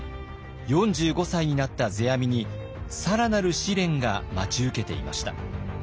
４５歳になった世阿弥に更なる試練が待ち受けていました。